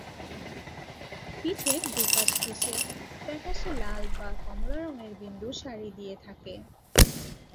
পিঠের দুই পাশ ঘেঁষে ফ্যাকাশে লাল বা কমলা রঙের বিন্দু সারি দিয়ে থাকে।